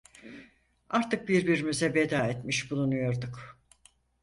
Artık birbirimize veda etmiş bulunuyorduk.